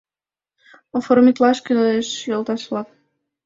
Оформитлаш кӱлеш, йолташ-влак!